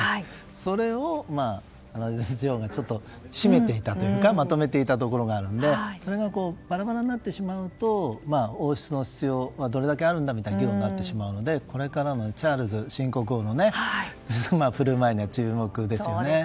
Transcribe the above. それをエリザベス女王が締めていたというかまとめていたところがあるんでそれがバラバラになってしまうと王室の必要がどれだけあるんだみたいな議論になってしまうのでこれからのチャールズ新国王の振る舞いには注目ですよね。